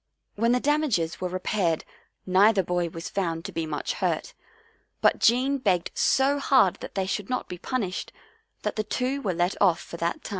When the damages were repaired neither boy was found to be much hurt, but Jean begged so hard that they should not be punished, that the two were let off for that time.